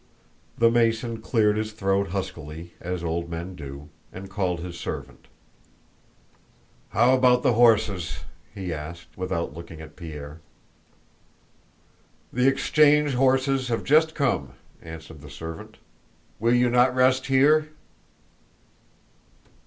The Mason cleared his throat huskily, as old men do, and called his servant. "How about the horses?" he asked, without looking at Pierre. "The exchange horses have just come," answered the servant. "Will you not rest here?"